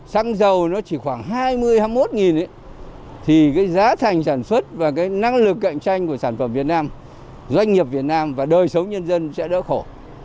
xăng dầu nó chỉ khoảng hai mươi hai mươi một thì cái giá thành sản xuất và cái năng lực cạnh tranh của sản phẩm việt nam doanh nghiệp việt nam và đời sống nhân dân sẽ đỡ khổ